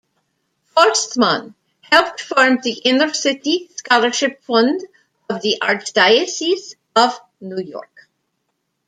Forstmann helped form the Inner-City Scholarship Fund of the Archdiocese of New York.